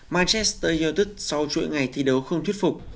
manchester united sau chuỗi ngày thi đấu không thuyết phục